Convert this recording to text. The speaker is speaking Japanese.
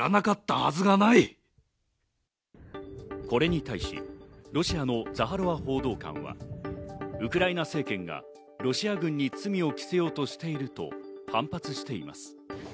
これに対しロシアのザハロワ報道官は、ウクライナ政権がロシア軍に罪を着せようとしていると反発しています。